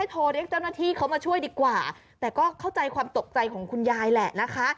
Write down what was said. โทรเรียกเจ้าหน้าที่เขามาช่วยดีกว่าแต่ก็เข้าใจความตกใจของคุณยายแหละนะคะ